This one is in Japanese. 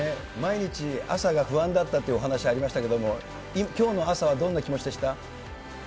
毎日、朝が不安だったっていうお話ありましたけれども、きょうの朝はどんな気持ちでした？